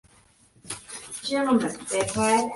Her holds were refrigerated and had capacity for of cargo.